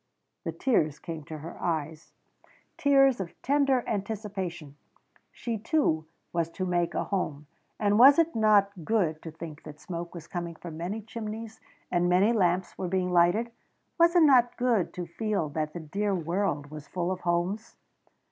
The tears came to her eyes tears of tender anticipation. She too was to make a home. And was it not good to think that smoke was coming from many chimneys and many lamps were being lighted? Was it not good to feel that the dear world was full of homes?